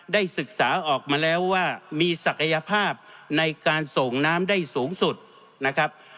ได้ศึกษาออกมาแล้วว่ามีศักยภาพในการส่งน้ำได้สูงสุดนะครับ